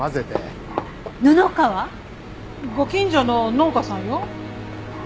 ご近所の農家さんよ。